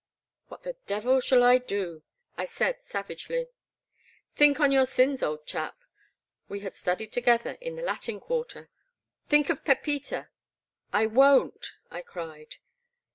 What the devil shall I do ?" I said, savagely. "Think on your sins, old chap," — we had studied together in the I^atin Quarter —think of Pepita "" I won't," I cried.